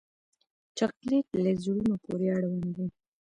چاکلېټ له زړونو پورې اړوند دی.